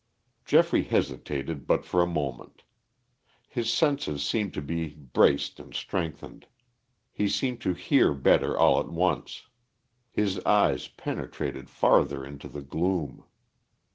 Geoffrey hesitated but for a moment. His senses seemed to be braced and strengthened. He seemed to hear better all at once; his eyes penetrated farther into the gloom.